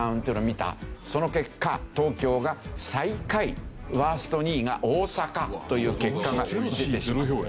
その結果東京が最下位ワースト２位が大阪という結果が出てしまった。